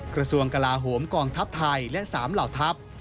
กระทรวงกลาโหมกองทัพไทยและ๓เหล่าทัพ